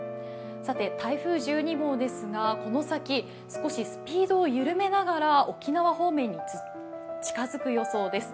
さて、台風１２号ですが、この先少しスピードを緩めながら沖縄方面に近づく予想です。